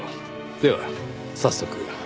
では早速。